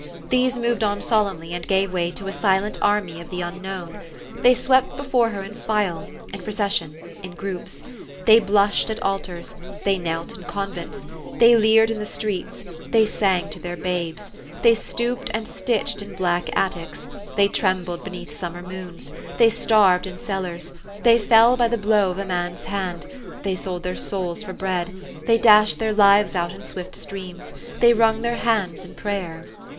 These moved on solemnly, and gave way to a sQcnt army of the unknown. They swept before her in file, in procession, in groups. They blushed at altars ; they knelt in convents ; they leered in the 150 THE STORY OF AVIS. streets ; they sang to their babes ; they stooped and stitched in black attics ; they trembled beneath sum mer moons ; they starved in cellars ; they fell by the blow of a man's hand ; they sold their souls for bread ; they dashed their li ves out in swift streams ; they wrung their hands in prayer.